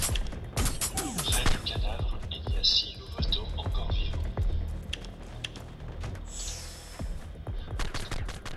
Près du cadavre il y a six louveteaux encore vivants.